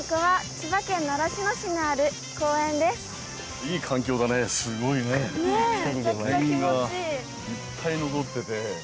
自然がいっぱい残ってて。